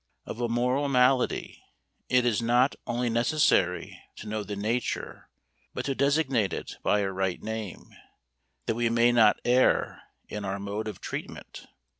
Of a moral malady, it is not only necessary to know the nature, but to designate it by a right name, that we may not err in our mode of treatment.